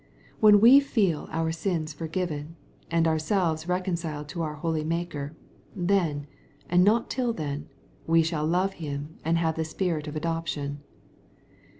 When we feel our sins forgiven, and ourselves reconciled to our holy Maker, then, and not till then, we shall love Him and have the spirit of adoption.